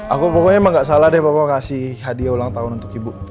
aku pokoknya emang gak salah deh bapak kasih hadiah ulang tahun untuk ibu